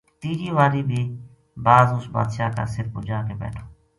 تیجی واری بی باز اُس بادشاہ کا سر پو جا کے بیٹھو